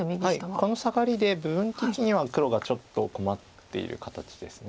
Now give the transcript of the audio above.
このサガリで部分的には黒がちょっと困っている形です。